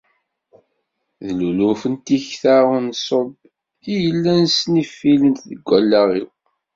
D luluf n tikta ur nṣub i yellan snififent deg allaɣ-iw.